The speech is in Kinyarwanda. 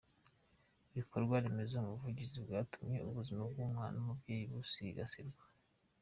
Ibikorwa remezo mu buvuzi byatumye ubuzima bw’umwana n’umubyeyi busigasirwa.